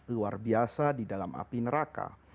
luar biasa di dalam api neraka